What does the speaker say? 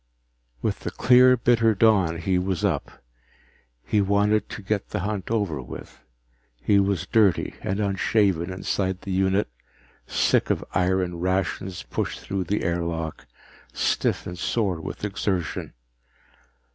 With the clear bitter dawn he was up. He wanted to get the hunt over with. He was dirty and unshaven inside the unit, sick of iron rations pushed through the airlock, stiff and sore with exertion.